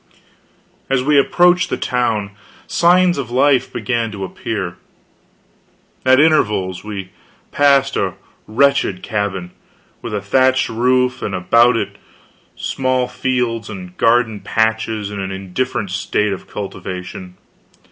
As we approached the town, signs of life began to appear. At intervals we passed a wretched cabin, with a thatched roof, and about it small fields and garden patches in an indifferent state of cultivation.